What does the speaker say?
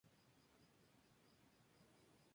Sus colores son el rojo y negro.